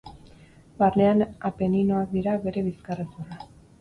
Barnean Apeninoak dira bere bizkarrezurra.